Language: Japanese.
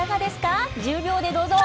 １０秒でどうぞ！